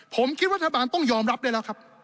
ผมคิดว่ารัฐบาลต้องยอมรับได้แล้วครับ